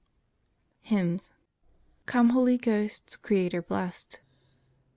HYMNS Come, Holy Ghost, Creator Blest 1.